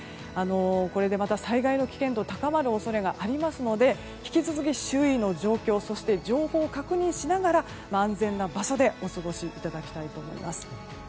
これでまた災害の危険度が高まる恐れがありますので引き続き周囲の状況、情報を確認しながら安全な場所でお過ごしいただきたいと思います。